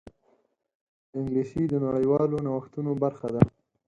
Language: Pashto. انګلیسي د نړیوالو نوښتونو برخه ده